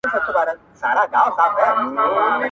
یو په بل پسي سړیږي یوه وروسته بله وړاندي؛؛!